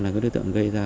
là đối tượng gây ra